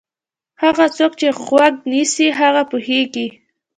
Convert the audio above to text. هغه څوک چې غوږ نیسي هغه پوهېږي.